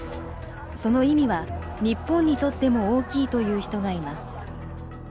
その意味は日本にとっても大きいと言う人がいます。